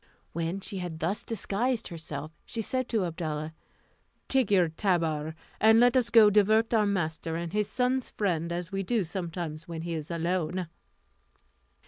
When she had thus disguised herself, she said to Abdalla, "Take your tabour, and let us go and divert our master and his son's friend, as we do sometimes when he is alone."